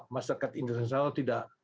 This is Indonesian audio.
masyarakat international tidak